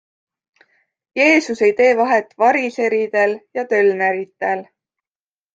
Jeesus ei tee vahet variseridel ja tölneritel.